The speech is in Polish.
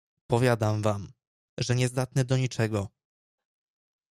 "Powiadam wam, że niezdatny do niczego!"